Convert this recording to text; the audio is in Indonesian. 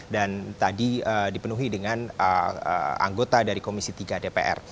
dan tadi dipenuhi dengan anggota dari komisi tiga dpr